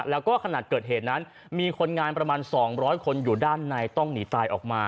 แล้วก็ขณะเกิดเหตุนั้นมีคนงานประมาณ๒๐๐คนอยู่ด้านในต้องหนีตายออกมา